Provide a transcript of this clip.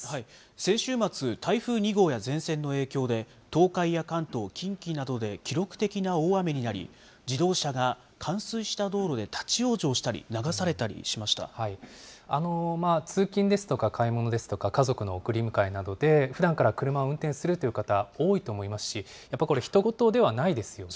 先週末、台風２号や前線の影響で、東海や関東、近畿などで記録的な大雨になり、自動車が冠水した道路で立往生したり、流され通勤ですとか、買い物ですとか、家族の送り迎えなどで、ふだんから車を運転するという方、多いと思いますし、やっぱりこれ、ひと事ではないですよね。